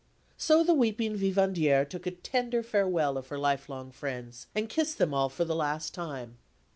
So the weeping vivandière took a tender farewell of her lifelong friends, and kissed them all for the last time.